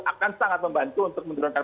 akan sangat membantu untuk menurunkan